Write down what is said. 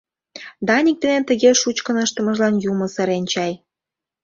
Даник дене тыге шучкын ыштымыжлан Юмо сырен чай...